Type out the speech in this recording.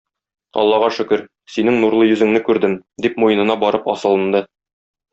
Аллага шөкер, синең нурлы йөзеңне күрдем, - дип, муенына барып асылынды.